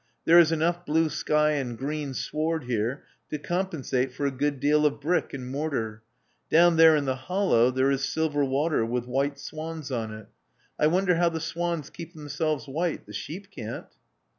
"There is enough blue sky and green sward here to com pensate for a good deal of brick and mortar. Down there in the hollow there is silver water with white swans on it. I wonder how the swans keep them selves white. The sheep can't."